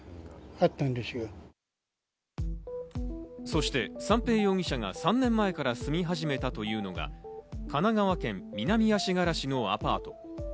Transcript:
そして三瓶容疑者が３年前から住み始めたというのが神奈川県南足柄市のアパート。